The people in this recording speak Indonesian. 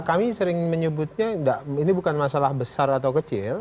kami sering menyebutnya ini bukan masalah besar atau kecil